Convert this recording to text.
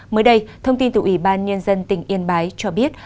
mới đây thông tin từ ủy ban nhân dân tỉnh yên bái cho biết